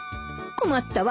困ったわ。